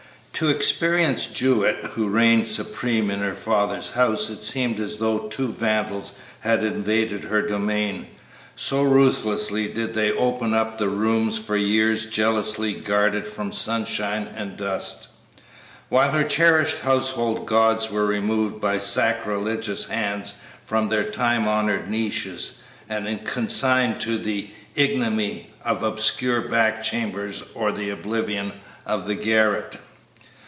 To Experience Jewett, who reigned supreme in her father's house, it seemed as though two vandals had invaded her domain, so ruthlessly did they open up the rooms for years jealously guarded from sunshine and dust, while her cherished household gods were removed by sacrilegious hands from their time honored niches and consigned to the ignominy of obscure back chambers or the oblivion of the garret.